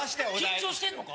緊張してんのか？